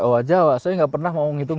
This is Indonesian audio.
oh jawa saya nggak pernah mau ngitung